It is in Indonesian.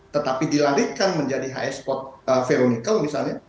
tetapi dilarikan menjadi hs code veronical misalnya